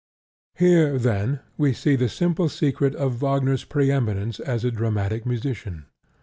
Here, then, we have the simple secret of Wagner's preemminence as a dramatic musician.